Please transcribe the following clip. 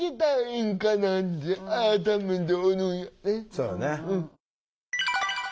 そうやね。